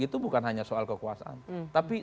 itu bukan hanya soal kekuasaan tapi